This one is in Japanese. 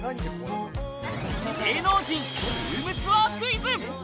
芸能人ルームツアークイズ。